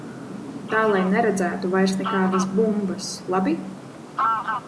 Tā lai neredzētu vairs nekādas bumbas, labi?